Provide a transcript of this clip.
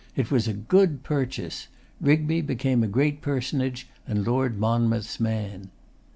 It was a good purchase. Rigby became a great personage, and Lord Monmouth's man.